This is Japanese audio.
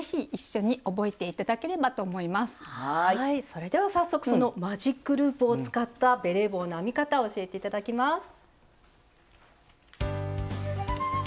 それでは早速マジックループを使ったベレー帽の編み方を教えて頂きます。